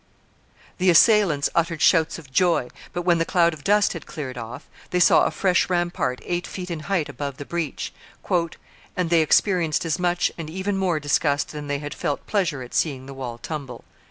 The assailants uttered shouts of joy; but, when the cloud of dust had cleared off, they saw a fresh rampart eight feet in height above the breach, "and they experienced as much and even more disgust than they had felt pleasure at seeing the wall tumble."